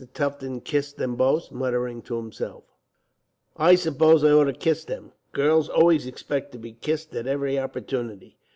Tufton kissed them both, muttering to himself: "I suppose I ought to kiss them. Girls always expect to be kissed at every opportunity.